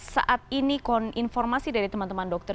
saat ini informasi dari teman teman dokter